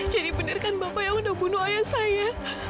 jadi benarkan bapak yang sudah membunuh ayah saya